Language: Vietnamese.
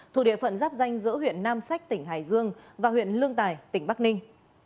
thuộc địa phận giáp danh giữa huyện nam sách tỉnh hải dương và huyện lương tài tỉnh bắc ninh